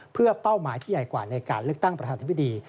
เพื่อเป้าหมายที่ใหญ่กว่าในการเลือกตั้งประธานธิบดี